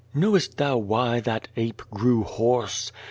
Knowest thou why that ape grew hoarse?